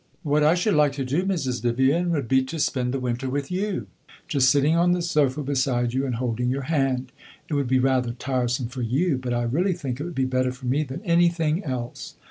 What I should like to do, Mrs. Vivian, would be to spend the winter with you just sitting on the sofa beside you and holding your hand. It would be rather tiresome for you; but I really think it would be better for me than anything else.